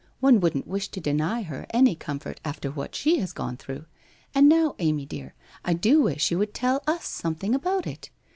One wouldn't wish to deny her any comfort after what she has gone through. And now, Amy dear, I do wish you would tell us something about it.